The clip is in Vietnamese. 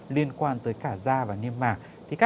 liên quan tới cả da và niêm mạc